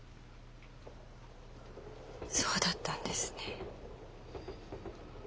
そうだったんですね。